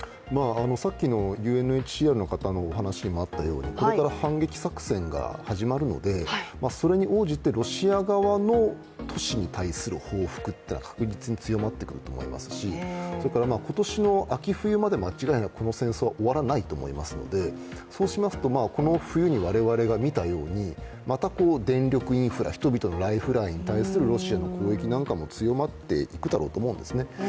さっきのＵＮＨＣＲの方のお話にもあったようにこれから反撃作戦が始まるのでそれに応じてロシア側の都市に対する報復というのは確実に強まってくると思いますしそれから今年の秋冬まで間違いなくこの戦争終わらないと思いますのでそうしますとこの冬に我々が見たようにまた電力インフラ、人々のライフラインに対するロシアの攻撃なんかも強まってくると思うんですね。